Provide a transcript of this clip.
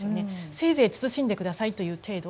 せいぜい「慎んでください」という程度。